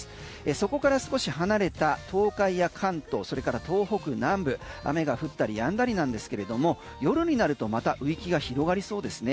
そこから少し離れた東海や関東それから東北南部雨が降ったりやんだりなんですけれども夜になるとまた雨域が広がりそうですね。